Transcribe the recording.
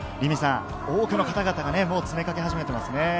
多くの方々が詰め掛け始めていますね。